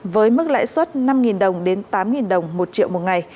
với mức lãi suất năm đồng đến tám đồng một triệu một ngày